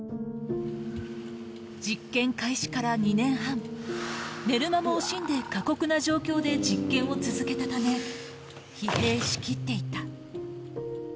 実験開始から２年半、寝る間も惜しんで過酷な状況で実験を続けたため、疲弊しきっていた。